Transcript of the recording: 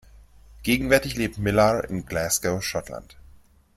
Gegenwärtig lebt Millar in Glasgow, Schottland.